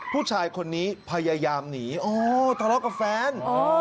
ผู้ชายคนนี้พยายามหนีอ๋อทะเลาะกับแฟน